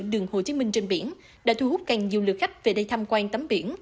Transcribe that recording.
đường hồ chí minh trên biển đã thu hút càng nhiều lượt khách về đây tham quan tắm biển